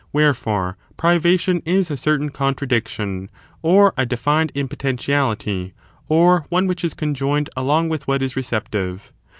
Wherefore, privation is a certain contradiction, or a defined impotentiality, or one which is conjoined along with what is receptive.